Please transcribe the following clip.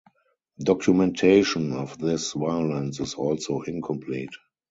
Documentation of this violence is also incomplete.